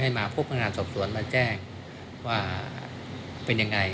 ให้มาพบปรึงงานสอบสวนมาแจ้งว่าเป็นอย่างไร